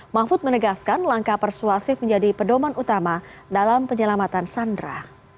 mahfud menegaskan langkah persuasif menjadi pedoman utama dalam penyelamatan sandra